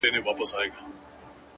ماته د مار خبري ډيري ښې دي ـ